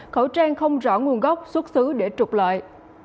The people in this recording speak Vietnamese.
khẩu trang không rõ nguồn gốc xuất xứ để trục lợi